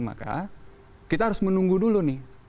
maka kita harus menunggu dulu nih